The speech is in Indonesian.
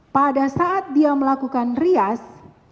pada saat dia melakukan rias